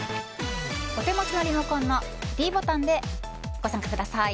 お手持ちのリモコンのｄボタンでご参加ください。